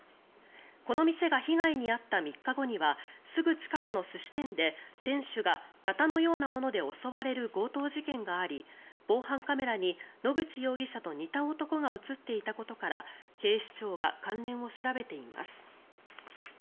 この店が被害に遭った３日後にはすぐ近くの寿司店で店主がナタのようなもので襲われる強盗事件があり防犯カメラに野口容疑者と似た男が映っていたことから警視庁が関連を調べています。